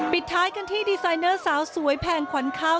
ปิดท้ายกันที่ดีไซเนอร์สาวสวยแพงขวัญข้าว